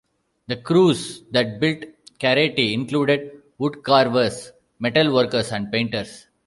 The crews that built carretti included woodcarvers, metal workers, and painters.